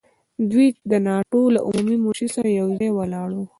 دوی د ناټو له عمومي منشي سره یو ځای ولاړ وو.